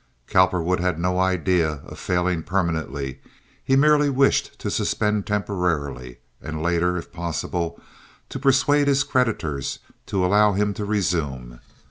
Cowperwood had no idea of failing permanently; he merely wished to suspend temporarily, and later, if possible, to persuade his creditors to allow him to resume.